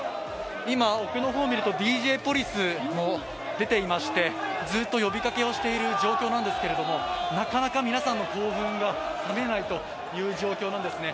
今、奥の方を見るとＤＪポリスも出ていましてずっと呼びかけをしている状況なんですけれども、なかなか皆さんの興奮が冷めないという状況なんですね。